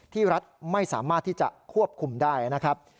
รัฐไม่สามารถที่จะควบคุมได้นะครับ